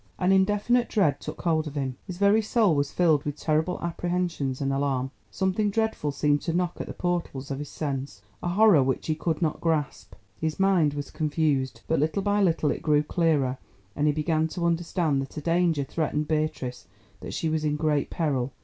An indefinite dread took hold of him, his very soul was filled with terrible apprehensions and alarm. Something dreadful seemed to knock at the portals of his sense, a horror which he could not grasp. His mind was confused, but little by little it grew clearer, and he began to understand that a danger threatened Beatrice, that she was in great peril.